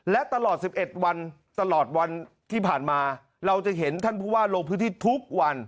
และตลอด๑๑วันตลอดวันที่ผ่านมาเราจะเห็นท่านผู้ว่าลงพื้นที่ทุกวัน